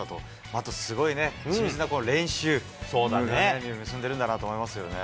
またすごいね、緻密な練習、実を結んでいるんだなと思いますね。